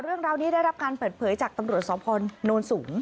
เรื่องราวนี้ได้รับการเปิดเผยจากตำรวจสพนสูง